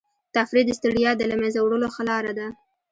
تفریح د ستړیا د له منځه وړلو ښه لاره ده.